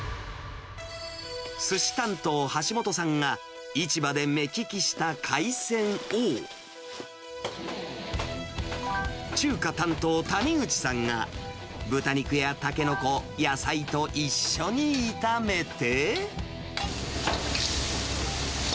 すし担当、橋本さんが、市場で目利きした海鮮を、中華担当、谷口さんが、豚肉やタケノコ、野菜と一緒に炒めて。